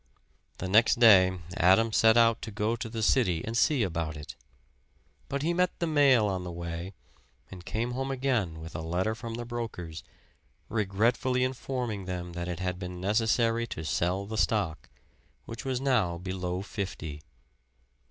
The next day Adam set out to go to the city and see about it; but he met the mail on the way and came home again with a letter from the brokers, regretfully informing them that it had been necessary to sell the stock, which was now below fifty.